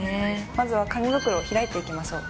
まずは紙袋を開いていきましょう。